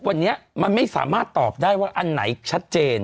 วันนี้มันไม่สามารถตอบได้ว่าอันไหนชัดเจน